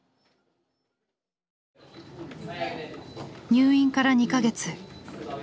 入院から２か月。